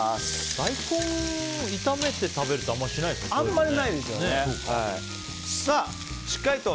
大根、炒めて食べるってあんまりしないですよね